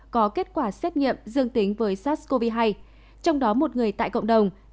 có kết quả xét nghiệm dương tính với sars cov hai trong đó một người tại cộng đồng